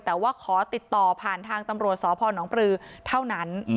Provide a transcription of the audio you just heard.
แต่ว่าขอติดต่อผ่านทางตำรวจสพนปลือเท่านั้น